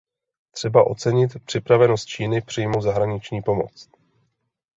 Třeba ocenit připravenost Číny přijmout zahraniční pomoc.